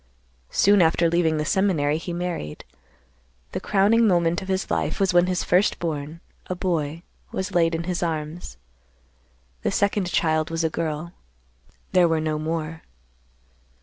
Soon after leaving the seminary, he married. The crowning moment of his life was when his first born—a boy—was laid in his arms. The second child was a girl; there were no more.